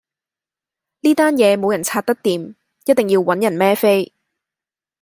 呢單嘢冇人拆得掂，一定要搵人孭飛